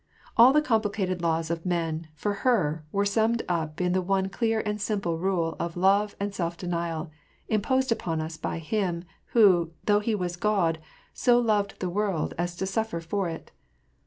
All the complicated laws of men, for her, were summed up in the one clear and simple rule of love and self denial, imposed upon us by Him, who, though he was God, so loved the world as to suffer for it.